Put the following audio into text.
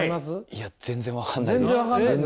いや全然分かんないです。